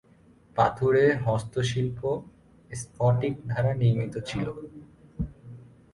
পাথুরে হস্তশিল্প স্ফটিক দ্বারা নির্মিত ছিল।